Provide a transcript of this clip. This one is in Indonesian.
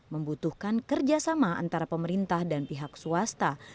membutuhkan kerjasama antara pemerintah dan pihak swasta